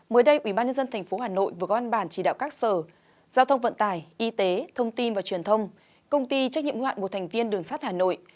mới đây ubnd tp hà nội vừa có văn bản chỉ đạo các sở giao thông vận tải y tế thông tin và truyền thông công ty trách nhiệm hoạn một thành viên đường sát hà nội